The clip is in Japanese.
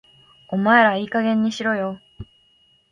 お前らいい加減にしろよ